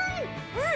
うん！